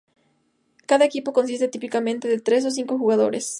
Cada equipo consiste típicamente de tres o cinco jugadores.